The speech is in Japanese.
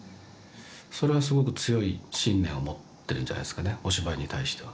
それはすごく強い信念を持っているんじゃないですかねお芝居に対しては。